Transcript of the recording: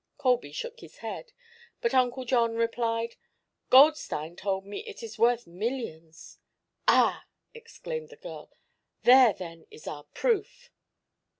Colby shook his head, but Uncle John replied: "Goldstein told me it is worth millions." "Ah!" exclaimed the girl. "There, then, is our proof."